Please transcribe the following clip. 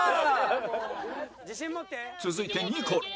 続いてニコル